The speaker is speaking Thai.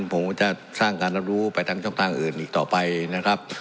ผมก็จะสร้างการรับรู้ไปทางช่องทางอื่นอีกต่อไปนะครับ